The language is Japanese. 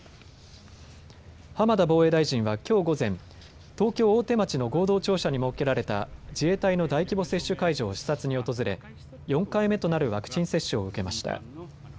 浜田防衛大臣はきょう午前、東京大手町の合同庁舎に設けられた自衛隊の大規模接種会場を視察に訪れ４回目となるワクチン接種を受けました。